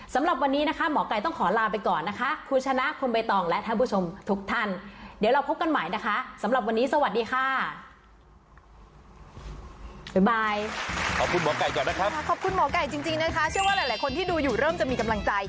สำหรับวันนี้นะคะหมอไก่ต้องขอลาไปก่อนนะคะคุณชนะคุณใบตองและท่านผู้ชมทุกท่านเดี๋ยวเราพบกันใหม่นะคะสำหรับวันนี้สวัสดีค่ะ